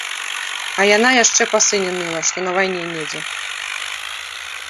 А яна яшчэ па сыне ныла, што на вайне недзе.